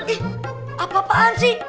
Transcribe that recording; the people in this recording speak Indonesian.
eh apa apaan sih